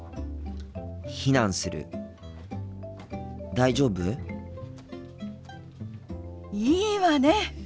大丈夫？いいわね！